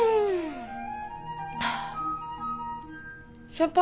先輩？